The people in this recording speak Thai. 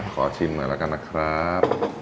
ขอชิมหน่อยแล้วกันนะครับ